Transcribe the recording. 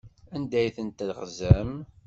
Anda ay ten-teɣzam?